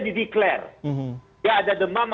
dideklarasi dia ada demam